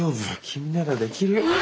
君ならできる。